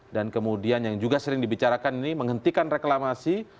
dan kemudian yang juga sering dibicarakan ini menghentikan reklamasi